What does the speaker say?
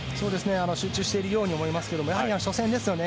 集中しているように思いますけどもやはり初戦ですよね。